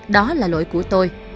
đó là lỗi của tôi